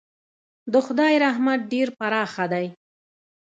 د خدای رحمت ډېر پراخه دی.